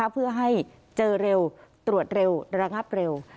เพื่อให้เจอเร็วตรวจเร็วระงับเร็ว